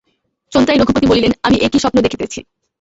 চোন্তাই রঘুপতি বলিলেন, আমি এ কি স্বপ্ন দেখিতেছি!